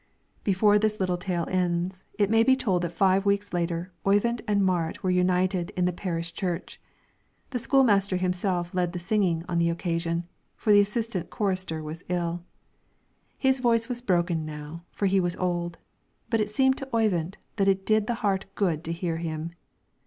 Before this little tale ends, it may be told that five weeks later Oyvind and Marit were united in the parish church. The school master himself led the singing on the occasion, for the assistant chorister was ill. His voice was broken now, for he was old; but it seemed to Oyvind that it did the heart good to hear him.